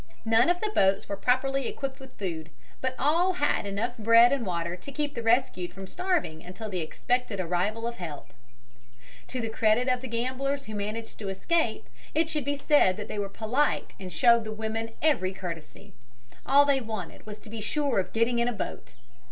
None of the boats were properly equipped with food, but all had enough bread and water to keep the rescued from starving until the expected arrival of help. To the credit of the gamblers who managed to escape, it should be said that they were polite and showed the women every courtesy. All they wanted was to be sure of getting in a boat.